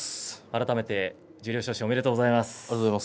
改めて十両昇進ありがとうございます。